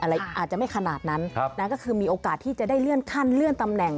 อาจจะไม่ขนาดนั้นก็คือมีโอกาสที่จะได้เลื่อนขั้นเลื่อนตำแหน่ง